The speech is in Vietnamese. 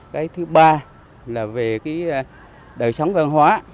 cái thứ ba là về cái đời sống văn hóa